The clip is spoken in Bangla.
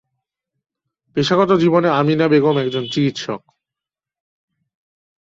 পেশাগত জীবনে আমিনা বেগম একজন চিকিৎসক।